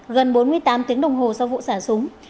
gần bốn mươi tám tiếng đồng hồ sau vụ xả súng